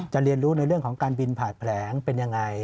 เรียนรู้ในเรื่องของการบินผ่านแผลงเป็นยังไง